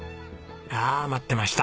ああ待ってました。